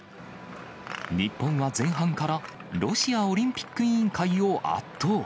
日本は前半から、ロシアオリンピック委員会を圧倒。